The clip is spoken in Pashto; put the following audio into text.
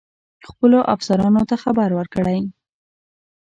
خپلو افسرانو ته خبر ورکړی.